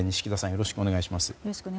よろしくお願いします。